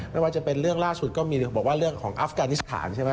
ไม่ว่าจะเป็นเรื่องล่าสุดก็มีบอกว่าเรื่องของอัฟกานิสถานใช่ไหม